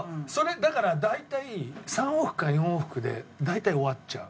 だから大体３往復から４往復で大体終わっちゃう。